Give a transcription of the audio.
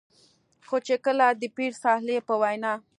خو چې کله د پير صالح په وېنا